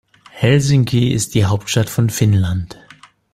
Helsinki ist die Hauptstadt von Finnland.